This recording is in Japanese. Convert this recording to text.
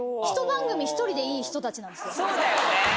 １番組１人でいい人たちなんそうだよね。